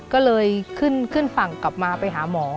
ก็เลยขึ้นฝั่งกลับมาไปหาหมอ